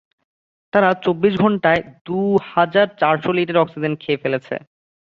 তারা চব্বিশ ঘন্টায় দুই হাজার চারশ লিটার অক্সিজেন খেয়ে ফেলেছে।